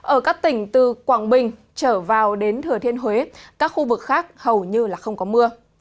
ở các tỉnh từ quảng bình trở vào đến thừa thiên huế các khu vực khác hầu như không có mưa